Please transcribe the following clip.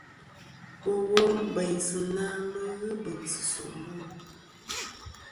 Bò wom bèynsɨ na mɨ n-ghɨ bèŋsɨ̀ nsòmbo.